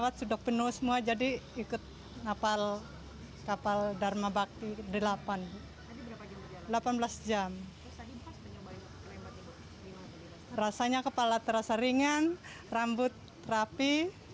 terasa ringan rambut rapi